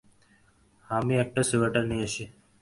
আমি একটা সোয়েটার নিয়ে আসি।